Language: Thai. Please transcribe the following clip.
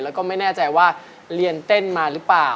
แล้วก็ไม่แน่ใจว่าเรียนเต้นมาหรือเปล่า